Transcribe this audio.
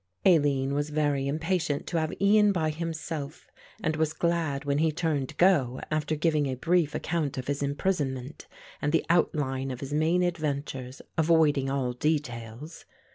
Aline was very impatient to have Ian by himself and was glad when he turned to go, after giving a brief account of his imprisonment and the outline of his main adventures, avoiding all details.